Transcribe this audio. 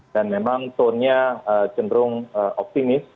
dan memang tonenya cenderung optimis